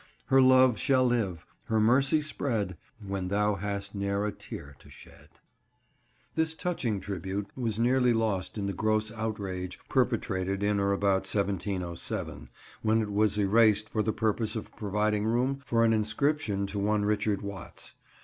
Her Love shall live, her mercy spread, When thou hast ne're a teare to shed." This touching tribute was nearly lost in the gross outrage perpetrated in or about 1707, when it was erased for the purpose of providing room for an inscription to one Richard Watts.